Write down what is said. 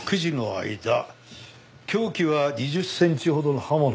凶器は２０センチほどの刃物。